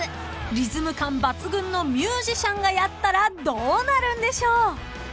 ［リズム感抜群のミュージシャンがやったらどうなるんでしょう？］